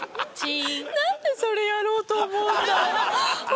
なんでそれやろうと思うんだろう。